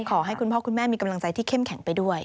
ขอให้คุณพ่อคุณแม่มีกำลังใจที่เข้มแข็งไปด้วย